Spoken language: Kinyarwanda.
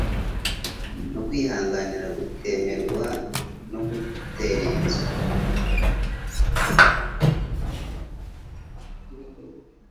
no kwihanganira kutemerwa no gukerenswa?